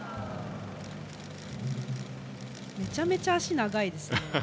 めちゃめちゃ足が長いですね。